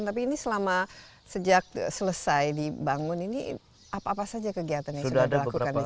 tapi ini selama sejak selesai dibangun ini apa apa saja kegiatan yang sudah dilakukan di sini